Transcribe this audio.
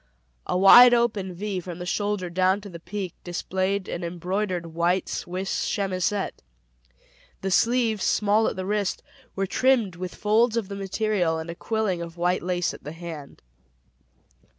A wide open V from the shoulder down to the peak displayed an embroidered white Swiss chemisette. The sleeves, small at the wrist, were trimmed with folds of the material and a quilling of white lace at the hand.